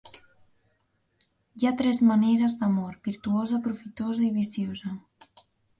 Hi ha tres maneres d'amor: virtuosa, profitosa i viciosa.